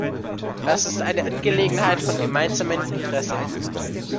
Dies ist eine Angelegenheit von gemeinsamem Interesse.